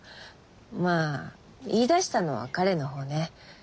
まあ言いだしたのは彼の方ね。